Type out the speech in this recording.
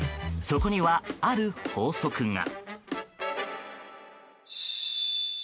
そこには、ある法則が。